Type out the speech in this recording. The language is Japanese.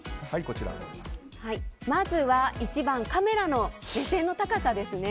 まずは１番カメラの目線の高さですね。